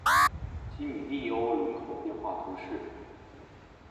基米利欧人口变化图示